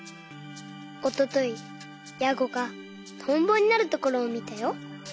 おとといヤゴがトンボになるところをみたよ。